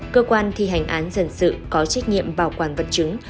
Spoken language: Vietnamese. cơ quan thi hành án dân sự có trách nhiệm bảo quản vật chứng